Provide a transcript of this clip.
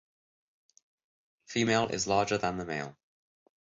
Female is larger than the male.